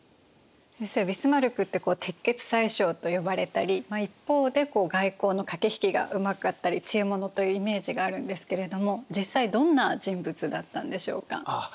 先生ビスマルクって鉄血宰相と呼ばれたり一方で外交の駆け引きがうまかったり知恵者というイメージがあるんですけれども実際どんな人物だったんでしょうか？